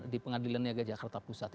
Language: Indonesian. di pengadilan niaga jakarta pusat